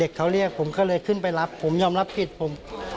เขาเรียกผมก็เลยขึ้นไปรับผมยอมรับผิดผม